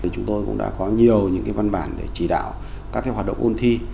chúng tôi cũng đã có nhiều những cái văn bản để chỉ đạo các cái hoạt động ôn thi